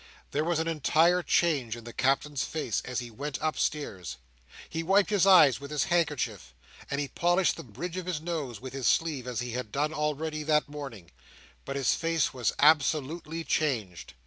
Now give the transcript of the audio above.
There was an entire change in the Captain's face as he went upstairs. He wiped his eyes with his handkerchief, and he polished the bridge of his nose with his sleeve as he had done already that morning, but his face was absolutely changed.